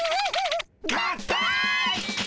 合体！